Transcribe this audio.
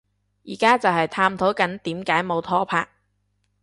而家就係探討緊點解冇拖拍